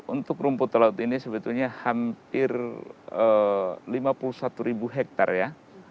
untuk rumput laut ini sebetulnya hampir lima puluh satu ribu hektare ya